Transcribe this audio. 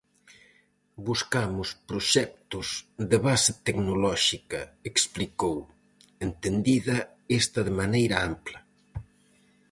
"Buscamos proxectos de base tecnolóxica", explicou, "entendida esta de maneira ampla".